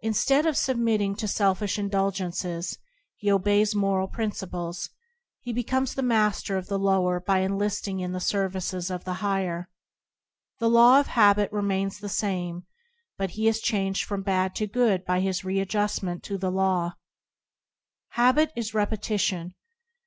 Instead of submitting to selfish indulgences, he obeys moral princi ples. He becomes the master of the lower by enlisting in the service of the higher. The law of habit remains the same, but he is changed from bad to good by his read justment to the law. Habit is repetition.